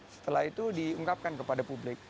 setelah itu diungkapkan kepada publik